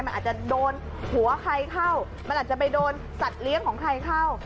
มันอาจจะโดนหัวใครเข้ามันอาจจะไปโดนสัตว์เลี้ยงของใครเข้า